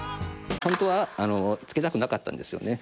ホントは付けたくなかったんですよね。